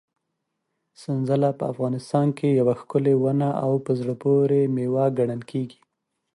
سنځله په افغانستان کې یوه ښکلې ونه او په زړه پورې مېوه ګڼل کېږي.